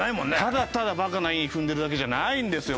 ただただバカな韻踏んでるだけじゃないんですよ